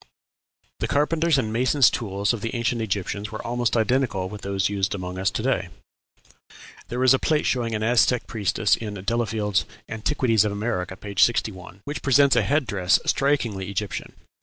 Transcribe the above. The carpenters' and masons' tools of the ancient Egyptians were almost identical with those used among us to day. There is a plate showing an Aztec priestess in Delafield's "Antiquities of America," p. 61, which presents a head dress strikingly Egyptian.